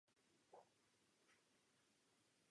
Po rozpadu kapely se bubeník Lasse Petersen přidal k Wolf Gang.